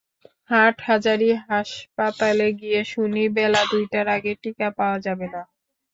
হাটহাজারী হাসপাতালে গিয়ে শুনি বেলা দুইটার আগে টিকা পাওয়া যাবে না।